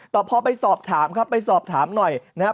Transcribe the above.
แต่พอไปสอบถามครับไปสอบถามหน่อยนะครับ